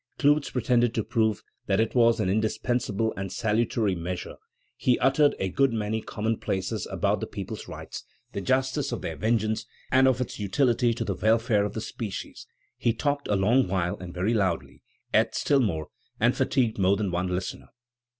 Clootz pretended to prove that it was an indispensable and salutary measure; he uttered a good many commonplaces about the people's rights, the justice of their vengeance, and of its utility to the welfare of the species; he talked a long while and very loudly, ate still more, and fatigued more than one listener."